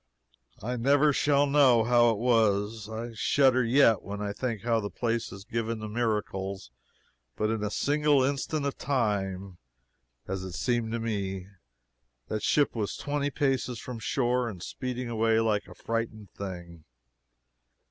I never shall know how it was I shudder yet when I think how the place is given to miracles but in a single instant of time, as it seemed to me, that ship was twenty paces from the shore, and speeding away like a frightened thing!